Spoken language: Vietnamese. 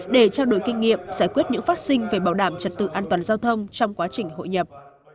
để trao đổi kinh nghiệm giải quyết những phát sinh về bảo đảm trật tự an toàn giao thông trong quá trình hội nhập